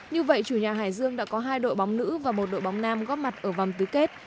như vậy chủ nhà hải dương đã có hai đội bóng nữ và một đội bóng nam góp mặt ở vòng tứ kết